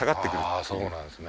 あぁそうなんですね。